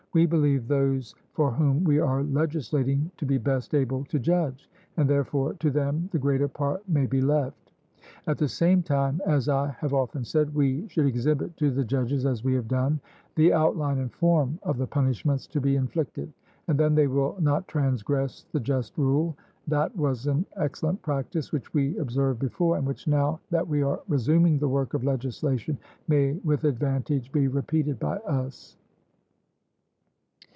We believe those for whom we are legislating to be best able to judge, and therefore to them the greater part may be left. At the same time, as I have often said, we should exhibit to the judges, as we have done, the outline and form of the punishments to be inflicted, and then they will not transgress the just rule. That was an excellent practice, which we observed before, and which now that we are resuming the work of legislation, may with advantage be repeated by us.